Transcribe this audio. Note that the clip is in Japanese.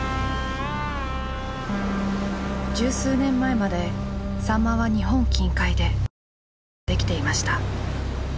十数年前までサンマは日本近海で獲ることができていました。